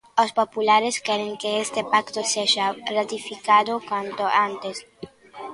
Os populares queren que este pacto sexa ratificado canto antes.